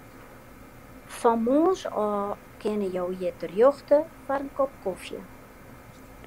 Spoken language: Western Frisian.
Fan moarns ôf kinne jo hjir terjochte foar in kop kofje.